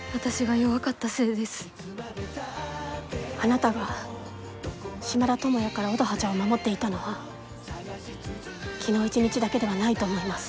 あなたが島田友也から乙葉ちゃんを守っていたのは昨日一日だけではないと思います。